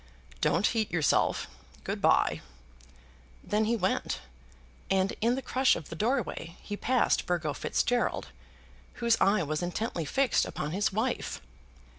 "Don't heat yourself. Good bye." Then he went, and in the crush of the doorway he passed Burgo Fitzgerald, whose eye was intently fixed upon his wife.